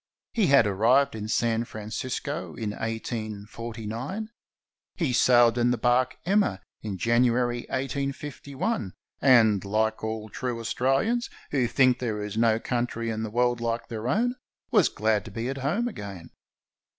He had arrived in San Francisco in 1849. He sailed in the barque Emma in January, 185 1, and, like all true AustraHans, who think there is no country in the world like their own, was glad to be at home again.